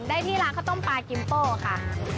ได้ที่ร้านข้าวต้มปลากิมโป้ค่ะ